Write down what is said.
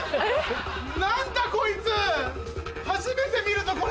何だこいつ初めて見るぞこれ。